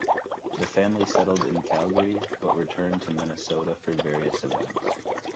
The family settled in Calgary, but return to Minnesota for various events.